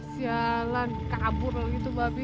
sialan kabur begitu babi